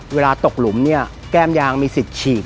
เวลาตกหลุมเนี่ยแก้มยางมีสิทธิ์ฉีก